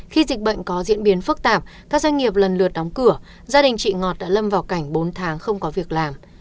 khi dịch bệnh có diễn biến phức tạp các doanh nghiệp lần lượt đóng cửa gia đình chị ngọt đã lâm vào cảnh bốn tháng không có việc làm